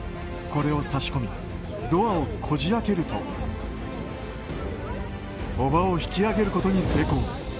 これを差し込みドアをこじ開けるとおばを引き上げることに成功。